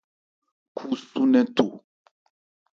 Khu su nnɛn tho.